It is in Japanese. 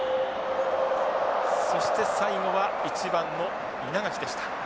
そして最後は１番の稲垣でした。